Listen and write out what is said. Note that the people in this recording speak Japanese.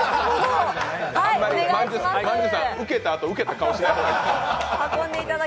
ウケたあとウケた顔しないで。